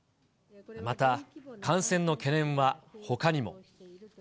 また、感染の懸念はほかにも。